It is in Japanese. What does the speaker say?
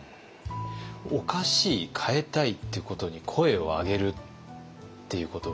おかしい変えたいっていうことに声を上げるっていうことはどうですか？